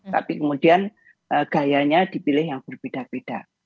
tapi kemudian gayanya dipilih yang berbeda beda